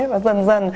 và dần dần